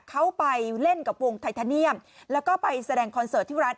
เขาไปเล่นกับวงไททาเนียมแล้วก็ไปแสดงคอนเสิร์ตที่ร้าน